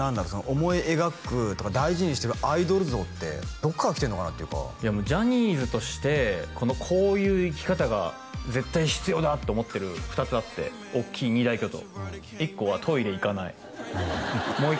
思い描くてか大事にしてるアイドル像ってどっからきてんのかなっていうかジャニーズとしてこのこういう生き方が絶対必要だと思ってる２つあっておっきい２大巨頭１個はもう１個はあ